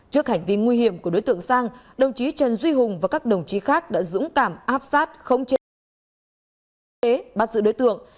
trước hành vi nguy hiểm của đối tượng sang đồng chí trần duy hùng và các đồng chí khác đã dũng cảm áp sát khống chế khống chế bắt giữ đối tượng